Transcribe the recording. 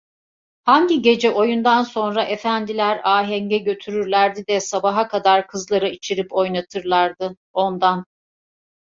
Hani gece oyundan sonra efendiler ahenge götürürlerdi de sabaha kadar kızlara içirip oynatırlardı, ondan.